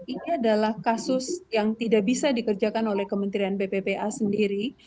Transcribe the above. ini adalah kasus yang tidak bisa dikerjakan oleh kementerian p tiga a sendiri